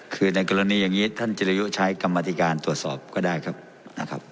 คือในกรณีอย่างนี้ท่านจิริยุใช้กรรมธิการตรวจสอบก็ได้ครับนะครับ